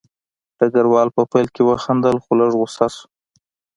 ډګروال په پیل کې وخندل خو لږ غوسه شو